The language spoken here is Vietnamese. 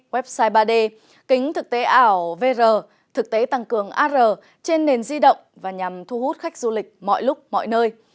website ba d kính thực tế ảo vr thực tế tăng cường ar trên nền di động và nhằm thu hút khách du lịch mọi lúc mọi nơi